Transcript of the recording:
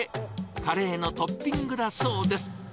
カレーのトッピングだそうです。